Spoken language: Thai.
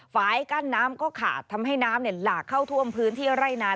ฝ่ายกั้นน้ำก็ขาดทำให้น้ำหลากเข้าท่วมพื้นที่ไร่นา